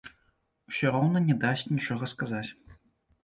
Усё роўна не дасць нічога сказаць.